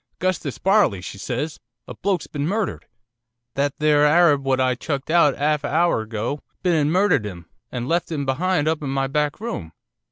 "'Gustus Barley," she says, "a bloke's been murdered. That there Harab what I chucked out 'alf a hour ago been and murdered 'im, and left 'im behind up in my back room.